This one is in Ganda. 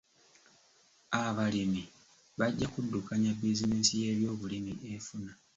Abalimi bajja kuddukanya bizinensi y'ebyobulimi efuna.